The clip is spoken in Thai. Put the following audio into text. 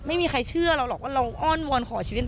ไม่มีใครเชื่อเราหรอกว่าเราอ้อนวอนขอชีวิต